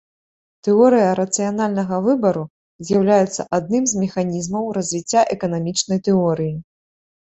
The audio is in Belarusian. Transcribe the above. Тэорыя рацыянальнага выбару з'яўляецца адным з механізмаў развіцця эканамічнай тэорыі.